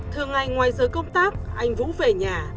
thường ngày ngoài giới công tác anh vũ về nhà